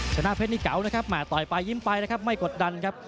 ชนะเพชรนี่เก๋านะครับแห่ต่อยไปยิ้มไปนะครับไม่กดดันครับ